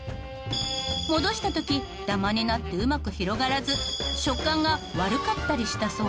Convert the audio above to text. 戻した時ダマになってうまく広がらず食感が悪かったりしたそう。